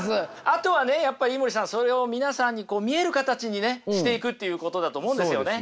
あとはねやっぱ飯森さんそれを皆さんに見える形にねしていくっていうことだと思うんですよね。